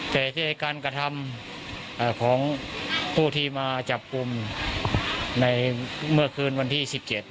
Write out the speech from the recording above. แต่การกระทำของผู้ที่มาจับกลุ่มในเมื่อคืนวันที่๑๗